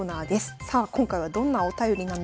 さあ今回はどんなお便りなんでしょうか。